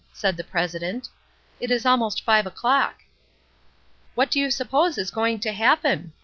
said the president; "it is almost five o'clock." "What do you suppose is going to happen?"